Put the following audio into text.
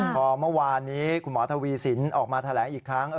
พอเมื่อวานนี้คุณหมอทวีสินออกมาแถลงอีกครั้ง